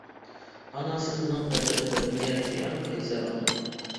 ئانا سىز مىنىڭ نەزىرىمدە دۇنيادىكى ئەڭ قەيسەر ئانا.